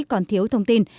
còn thiếu thông tin